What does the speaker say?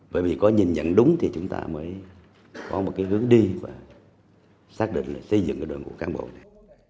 bởi vì có nhìn nhận đúng thì chúng ta mới có một cái hướng đi và xác định là xây dựng cái đội ngũ cán bộ này